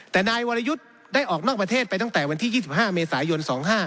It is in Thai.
แต่นายวรยุทธ์ได้ออกนอกประเทศไปตั้งแต่วันที่๒๕เมษายน๒๕๖